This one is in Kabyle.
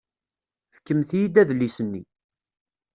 Fkemt-iyi-d adlis-nni.